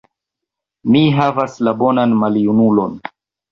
Mi havas la «bonan maljunulon».